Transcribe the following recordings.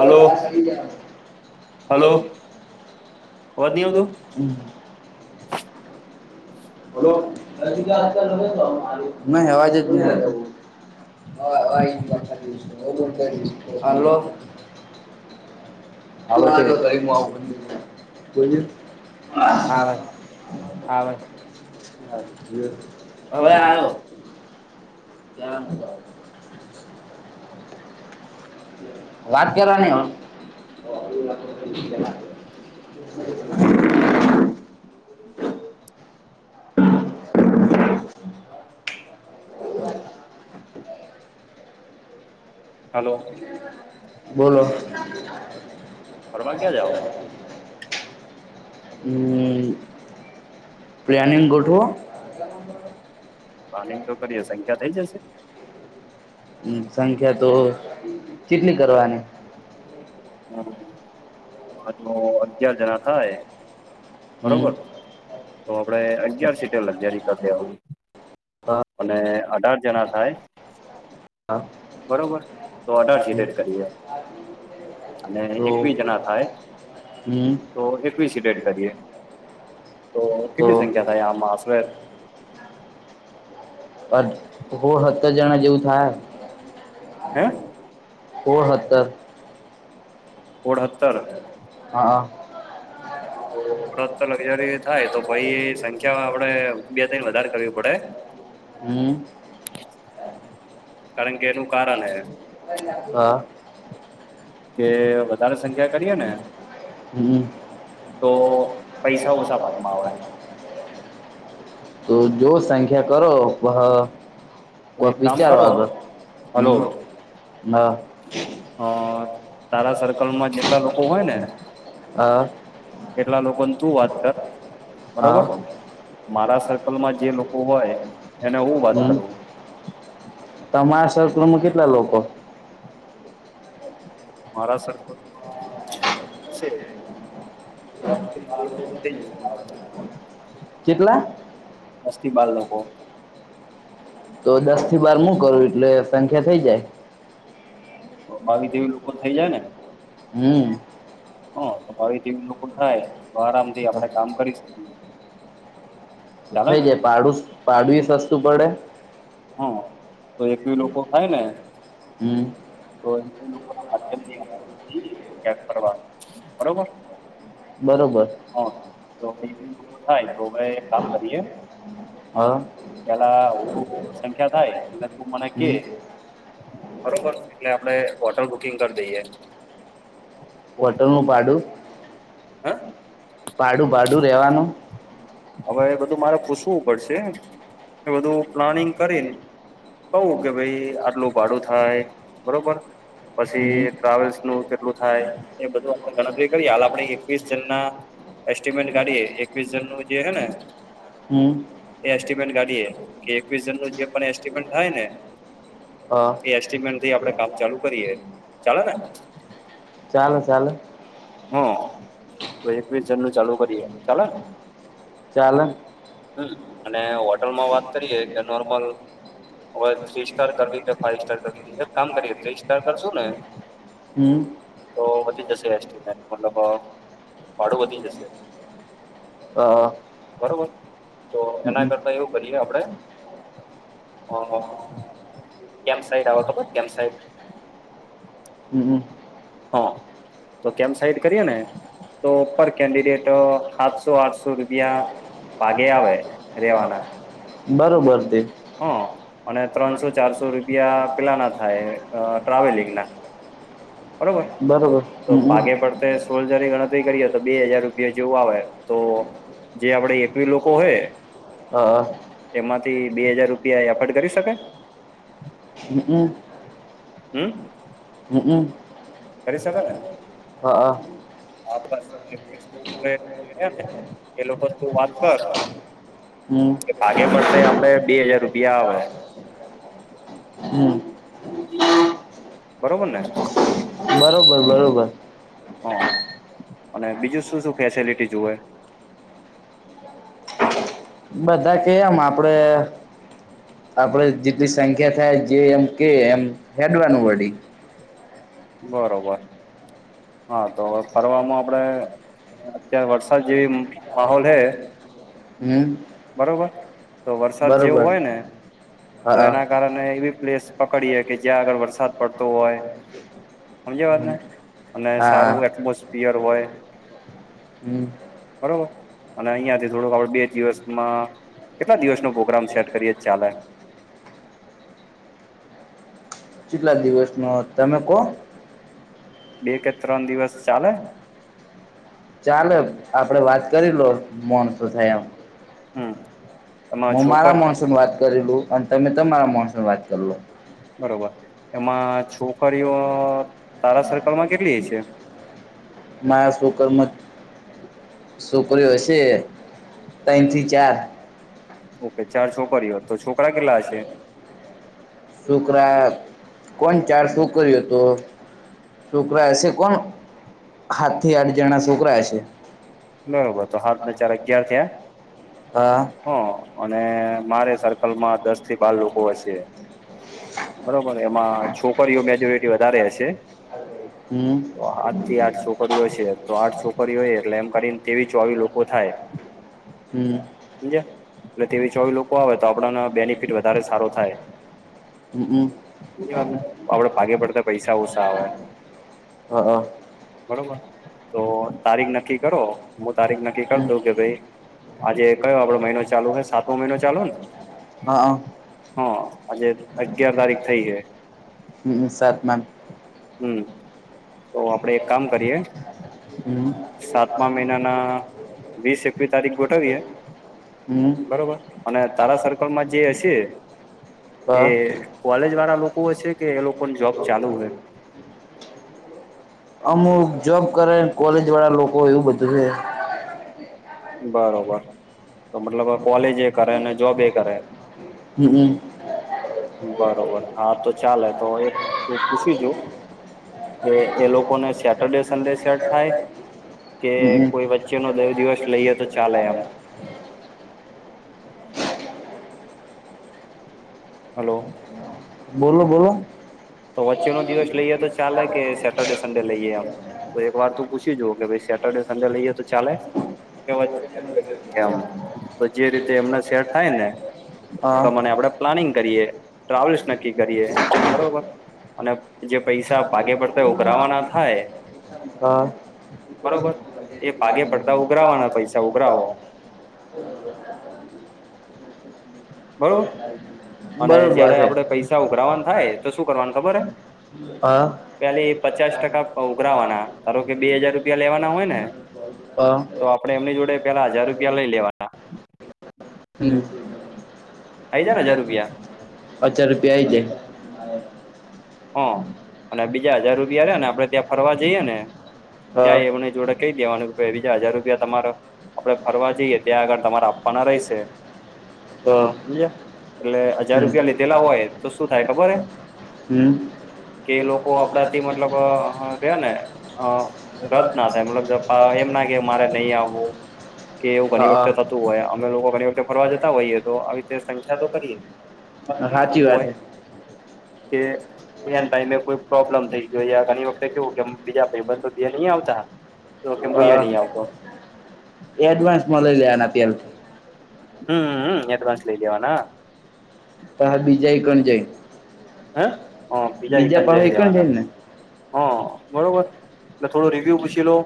Hello hello hello. અવાજ નહી આવતો વાદીયો. [unintelligible] ન અવાજ જ નહીં. [unintelligible] હા કરી. હલો આવ કરી, આવે આવ આવે કોઈ હા. હવે આયો. ગ વાત કરવાની હવ [unintelligible] [unintelligible] [unintelligible] [inaudible] હાલો. બોલો. ફરવા ક્યા જાઓ હું પ્લાનિંગ ગોઠવો. [unintelligible] પાણી તો કરીએ સંખ્યા થઈ જશે સંખ્યા તો કેટલી કરવાની હું હ જો અગિયાર જણા થાહે હમ બરોબર. તો આપડે અગિયાર સીટ. તે લજારી કર દેવા ની, અ, અને અઢાર જણા થાય. અ, બરોબર તો અઢાર હમ, સીટર કરીએ અને તો એકવીસ જણા થાય હમ તો એકવીસ ડેડ કરીએ, તો કેટલી સંખ્યા થાય આમાં આસરે બટ હોલ હતર જણા જેવું થાય. હ્યાં હોળ હતર હોળ હતર હા હા તો ઓળદ તો હરીયારી થાય તો પહિ સંખ્યા આપણે બે થઈને વધારે કરવી પડે હમ્મ કારણ કે એનું કારણ હે. હ. કે વધારે સંખ્યા કરીએ ને હમ્મ તો ઓછા પૈસા ભાગમાં આવે તો જો સંખ્યા કરો બહ તો કોક એક કામ વિચારો કરો આગળ હમ્મ હ. હ તારા સર્કલમાં જેટલા લોકો હોય ને આ એટલા લોકોને તું વાત કર બરોબર હા મારા સર્કલમાં જે લોક હોય એને હું વાત હમ કરવું તમારા સર્કલમાં કેટલા લોકો મારા સકૅલમા સે સર્કલમાં કેટલા દસથી બાર લોકો, તો દસ થી બાર મુું કરું એટલે સંખ્યા થઈ જાય, મા આવી જેવી લોકો થઈ જાય ને હું. હ તો મારી ટીમ લોકો થાય તો આરામથી આપડે કામ કરી શકીએ ચાલે થઈ ને જાય પાડુંસ ભાડુએ સસ્તું પડે હ તો એકવી લોકો થાય ને. હમ્મ તો એ લોકો ના માધ્યમ થી આપ જઈએ યાદ કરવા બરોબર બરોબર હ તો વેજ લોકો થાય તો હવે કામ કરીએ હા પેલા હું સંખ્યા થાય એટલે તું મને કે હમ બરોબર એટલે આપડે હોટલ બુકિંગ કરી દઈએ હોટલનું ભાડું હ ભાડું ભાડું રહેવાનું હવે બધું મારે પૂછવું પડશે કે બધું પ્લાનિંગ કરીને કવું કે ભાઈ આટલું ભાડું થાય બરોબર હમ પછી ટ્રાવેલ્સ નું કેટલું થાય એ બધું આપડે ગણતરી કરીએ હાલ આપડે એકવીસ જન ના એસ્ટિમેટ કાઢએ એકવીસ જન નું જે હે ને હમ્મ. એ એસ્ટિમેટ કાઢીએ કે એકવીસ જન ન જે પણ એસ્ટિમેટ થાય ને હ એ એસ્ટિમેટથી આપડે કામ ચાલુ કરીએ ચાલે ને ચાલે ચાલે હા તો એકવીસ જન નું ચાલુ કરીએ ચાલેને ચાલે હમ્મ અને હોટલમાં વાત કરીએ કે નોર્મલ હવે થ્રી સ્ટાર કરવી કે ફાઈવ સ્ટાર કરવી એક કામ કરીએ થ્રી સ્ટાર કરશું ને હમ્મ. તો વધી જશે એસ્ટિમેટ મતલબ ભાડું વધી જશે હ બરોબર તો એના હમ કરતા એવું કરીએ આપડે કેમ સાઈડ આવ ખબર કેમ સાઈડ હમ્મ હમ્મ હા તો કેમ સાઈડ કરીએ ને તો ઉપર કેન્ડિડેટ સાતસો આઠસો રૂપિયા ભાગે આવે રેવાના બરોબર તે હ અને ત્રણસો ચારસો રૂપિયા પેલા ના થાય ટ્રાવેલિંગ ના બરોબર તો ભાગે પડ તા સોલ્જરી ગણતરી કરીએ તો બે હાજાર રૂપિયા જેવુ આવે તો જે આપડે એકવી લોકો હોય હ હા એમાંથી બે હજાર રૂપિયા એફોર્ડ કરી શકાય હમ્મ. હમ્મ. હમ્મ હમ્મ. કરી શકો ને હા હા હા બસ રે ને એ લોકો તું વાત કર હમ્મ. કે ભાગે પડતે આપડે બે હાજાર રૂપિયા આવે [inaudible] હમ્મ. બરોબર ને બરોબર બરોબર હા અને બીજું શું શું ફેસિલિટી જોએ [unintelligible] બધા કે એમ આપડે આપડે જેટલી સંખ્યા થાય જે એમ કે એમ હેડવાનું વળી બરોબર હા તો ફરવાવામાં આપડે અત્યારે વરસાદ જેવી માહોલ હે હમ બરોબર તો વરસાદ જેવું બરોબર હોય ને તો હા એના કારણે એવી પ્લેસ પકડીએે કે જ્યાં આગળ વરસાદ પડતો હોય સમજી વાત ને અને હા સારું એટમોસફિયર હોય હમ બરોબર અને અહિયાંથી થોડોક આપડ બે દિવસમાં કેટલા દિવસ નો પ્રોગ્રામ સેટ કરીએે જ ચાલે કેટલા દિવસ ન તમે કોહો બે કે ત્રણ દિવસ ચાલે ચાલે આપડે વાત કરી લો મોન શું થાય એમ હમ એમાં હું મારા છોકરી મોણસ વાત કરલું અને તમે તમારા મોણસ વાત કર લો બરોબર એમાં છોકરીઓ તારા સર્કલમાં કેટલી છે મારા છોકમાં છોકરીઓ હશે ત્રણ થી ચાર ઓકે ચાર છોકરીઓ તો છોકરા કેટલા હશે છોકરી કોણ ચાર છોકરીઓ હતો છોકરા હશે કોણ હાથ થી આઠ જણા છોકરા હશે બરોબર તો હાલમાં ચાર અગિયાર થયા હા હ અને મારે સર્કલમાં દસ થી બાર લોકો હશે બરોબર એમાં છોકરીઓ મેજ્યોરિટી વધારે હશે હમ તો આઠ થી આઠ છોકરીઓ છે તો આઠ છોકરીઓ એટલે એમ કરીને તેવી ચોવી લોકો થાય હમ સમજ એટલે તેવી ચોવી લોકો આવે તો આપડને બેનિફિટ વધારે સારો થાય હમ હમ બીજી વાત આપડે ભાગે પડતા પૈસા ઓસા આવે હ હ બરોબર તો તારીખ નક્કી કરો હું તારીખ નક્કી કર હમ દઉ કે ભાઈ આજે કયો આપડો મહિનો ચાલુ છે સાતમો મહિનો ચાલુ ને હા હ હા આજે અગિયાર તારીખ થઇ છે હમ સાતમા હમ તો આપડે એક કામ કરીએ હમ સાતમા મહિનાના વીસ એકવી તારીખ ગોઠવીે હમ બરોબર અને તારા સર્કલ માં જે હશે એ હા કોલેજ વાળા લોકો હશે છે કે એ લોકો જોબ ચાલુ હોય અમુક જોબ કરે કોલેજ વાળા લોકો એવું બધું એ બરોબર તો મતલબ કોલેજ એ કરે અને જોબ એ કરે હમમ. બરોબર હા તો ચાલે તો તું પૂછી જોુ. કે એ લોકોને સેટરડે સન્ડે શર્ટ થાય. કે હમ કોઈ વચ્ચે નો દેવ દિવસ લઈ [inaudible] હલો બોલો બોલો તો વચ્ચેનોો દિવસ લઈએ તો ચાલે કે સેટરડે સંન્ડે લઈએ આમ તો એક વાર તું પૂછી જો કે ભાઈ સેટરડે સંડે લઈએે તો ચાલે વચ્ચે દિવમ તો જે રીતે એમના. ે થાય ને હા પ્રમાણે આપણેે પ્લાનિંગ કરીએ ટ્રાવેલ્સ નક્કી કરીએ બરોબર. અને જે પૈસા ભાગે પડતા ઉઘરાવાના થાય હા. બરોબર એ ભાગે પડતા ઉઘરાવાના પૈસા કરાોકરા. ઉઘરાવો હમ. બરોબર અને બરોબર જયારે આપડે પૈસા ઉઘરાવાના છેે. થાય તો શું કરવાનું ખબર હે હા. પેલી પચાસ ટકા ઉઘરાવાના ધારો કે બે હજાર રૂપિયા લેવાના હોય ને હા. તો આપડ એમની જોડે પેલા હજાર રૂપિયા લઈ લેવાના. હમ. આઈ જાય ને હજાર રૂપિયા અછાર રૂપિયા આવી જાય. હ અને બીજા હાજાર રૂપિયા રેને આપડે ત્યાં ફરવા જઈએે ને. ત્યાં આઈ એમને જોડે કઈ દેવાનું કે બીજા હજાર રૂપિયા તમારો આપડે ફરવા જઈએ ત્યાં આગળ તમારા. હઈ છે. હ હમ. સમજ્યા એટલે હજાર રૂપિયા લીધેલા હોય તો શું થાય ખબર હે હમ. કે એ લોકો અમ આપડાથી મતલબ રે ને ને અ રદ ના થાય મતલબ એમ ના કે મારે નહી આવ કે એવું ઘણી વખતે ના. હા. થતું હોય અમે લોકો ઘણી વખતે ફરવા જતા હોઈએ તો આવી રીતે સંખ્યા તો કરીએ પણ કેવું સાચી થતું વાત હોય છે. કે ત ટાઈમે કોઈ પ્રોબ્લેમ થઈ ગયો ઘણી વખતે કેવું કે બીજા ભાઈબ તો નહી આવતા. તો કે ભઈયો નહી આવતો. એડવાન્સ મળ લઈ લેવાના તલથી. હમ હમ એયાદ માનસ લઈ લેવાના. પા બીજા એકણ જાય હે હ બીજા પહા એકણ જાય ને. હા બરોબર એટલે થોડું રિવ્યુ પૂછી લો.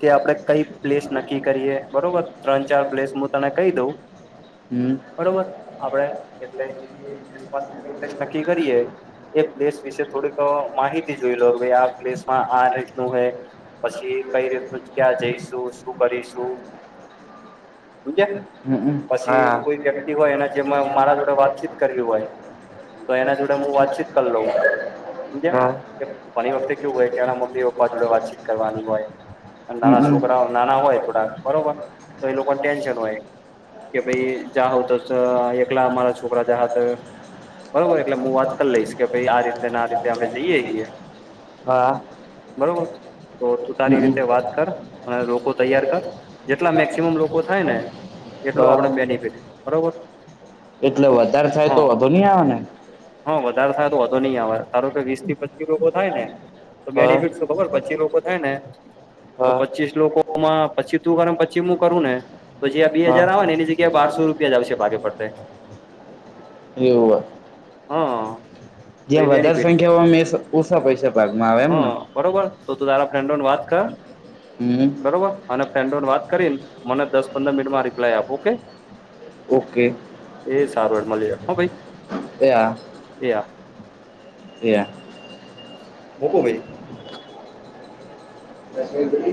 કે આપડે કઈ પ્લેસ નક્કી કરીએ બરોબર ત્રણ ચાર પ્લેસ હું તને કઈ દઉં. હમ બરોબર આપડે એટલે નક્કી કર. એ પ્લેસ વિશે થોડીક માહિતી જોઈ લો આ પ્લેસમાં આ રીતનું હ. પછી કઈ રીતનું ક્યાં જઈશું શું કરીશું. જ હમ પછી હા કોઈ વ્યક્તિ હોયને જેમાં મારા જોડે વાતચીત કરવી હોય. તો એના જોડે હું વાતચીત કરી લઉ સમજ હા કે ઘણી વખતે કેવું હોય કે એના મ. પ્પા જોડે વાતચીત કરવાની હોય. નાના હા છોકરા નાના હોય થોડા બરોબર તો એ લોકોને ટેન્શન હોય. કે ભાઈ જ્યા હોતસ એકલા અમારા છોકરા જ હ હતા. બરોબર એટલે હું વાત કરી લઈશ કે ભાઈ આ રીતે ને આ રીતે આપડણે જઈએ છીએ. હા બરોબર. તો તું તારી રીતે વાત કર અને લોકો તૈયાર કર જેટલા મેક્સિમમ લોકો થાય ને. એટલું આપડે બેનિફિટ બરોબર. એટલે વધારે થાય તો હા વધુ નહ આવે ને. હા વધારે થાય તો વધો નહી આવે ધારો કે વીસ થી પચીસ ર થાય ને તો હા બેનિફિટ. તો ખબર પછી લોકો થાય ને તો હા પચીસ લોકોમાં હા પછી તું કરે પછી હું કરું ને તો જે આ બે હજાર આવે ને એની જગ્યાએ બારસો રૂપિયા જ આવશે ભાગે પડતે એવ હા તો એ જ્યા વધારે બેનિફિટ સંખ્યાઓ ઓછા પૈસા ભાગમાં આવે એમને હા બરોબર. હમ [unintelligible] [inaudible] તો તું તારા ફ્રેન્ડોને વાત કર બરોબર અને ફ્રેન્ડોને વાત કરીને મને દસ પંદર મિનિટમાં રિપ્લાય આપો ઓકે ઓકે એ સારું હેડ ત આ. એયા. એં મૂકું ભાઈ [unintelligible] દ [unintelligible]